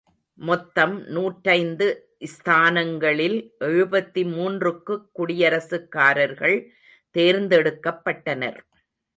மொத்தம் நூற்றைந்து ஸ்தானங்களில் எழுபத்திமூன்றுக்குக் குடியரசுக்காரர்கள் தேர்ந்தெடுக்கப்பட்டனர்.